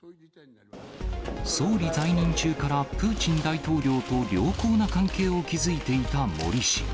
総理在任中からプーチン大統領と良好な関係を築いていた森氏。